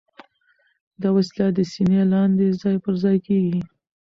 دا وسیله د سینې لاندې ځای پر ځای کېږي.